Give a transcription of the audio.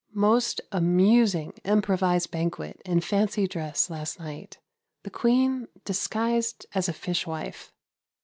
Most amusing improvised banquet in fancy dress last night. The Queen disguised as a fish wife.